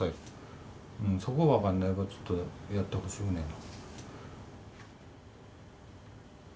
そこ分かんないばちょっとやってほしぐないな。